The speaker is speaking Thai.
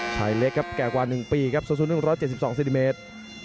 ชายเล็กครับแก่กว่า๑ปีครับสูง๑๗๒เซนติเมตร